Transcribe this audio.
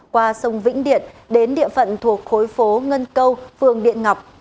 qua sông vĩnh điện đến địa phận thuộc khối phố ngân câu phường điện ngọc